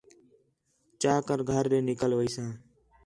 چا کر گھر ݙے نِکل ویساں